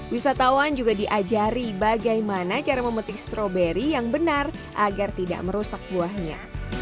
wisatawan juga diajari bagaimana cara memetik stroberi yang benar agar tidak merusak buahnya